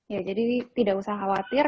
ya jadi tidak usah khawatir